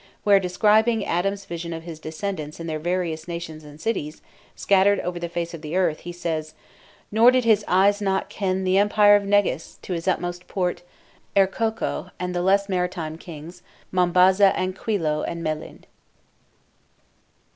where, describing Adam's vision of his descendants in their various nations and cities, scattered over the face of the earth, he says, "... Nor did his eyes not ken Th' empire of Negus, to his utmost port, Ercoco, and the less maritime kings, Mombaza and Quiloa and Melind."